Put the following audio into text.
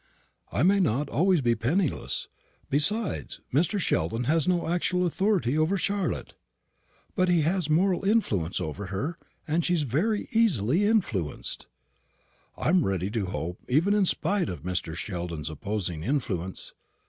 "I may not always be penniless. Besides, Mr. Sheldon has no actual authority over Charlotte." "But he has moral influence over her. She is very easily influenced." "I am ready to hope even in spite of Mr. Sheldon's opposing influence.